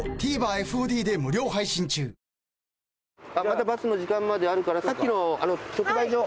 まだバスの時間まであるからさっきの直売所。